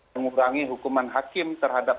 mengurangi hukuman hakim terhadap